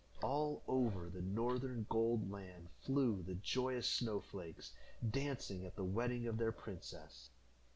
All over the northern Gold Land flew the joyous snow flakes, dancing at the wedding of their princess.